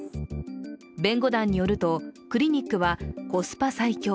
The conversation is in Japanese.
弁護団によると、クリニックはコスパ最強